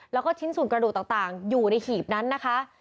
แล้วก็ชิ้นส่วนกระดูกต่างอยู่ในหีบนั้นนะคะ